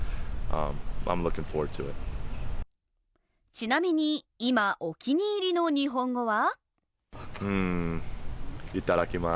ちなみに今、お気に入りの日本語は？